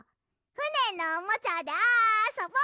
ふねのおもちゃであそぼ！